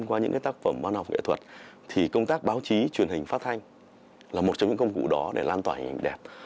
qua những tác phẩm văn học nghệ thuật thì công tác báo chí truyền hình phát thanh là một trong những công cụ đó để lan tỏa hình đẹp